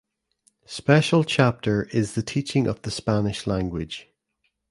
Special chapter is the teaching of the Spanish language.